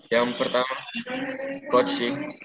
yang pertama coach sih